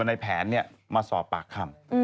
ในแผนเนี่ยมาสอบปากคำ